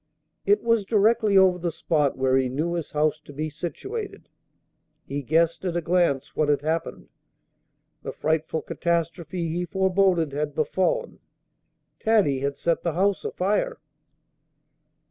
It was directly over the spot where he knew his house to be situated. He guessed at a glance what had happened. The frightful catastrophe he foreboded had befallen. Taddy had set the house afire.